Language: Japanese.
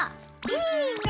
いいね！